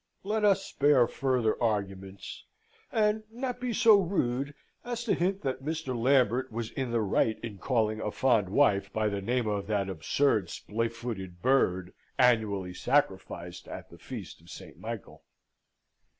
Let us spare further arguments, and not be so rude as to hint that Mr. Lambert was in the right in calling a fond wife by the name of that absurd splay footed bird, annually sacrificed at the Feast of St. Michael.